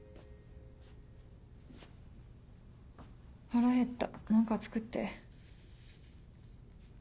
腹へった何か作って。